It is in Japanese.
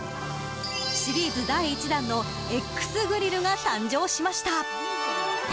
シリーズ第１弾のＸＧＲＩＬＬが誕生しました。